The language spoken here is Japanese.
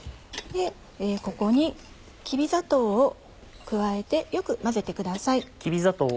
ここにきび砂糖を加えてよく混ぜてください。